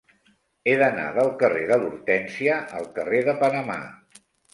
He d'anar del carrer de l'Hortènsia al carrer de Panamà.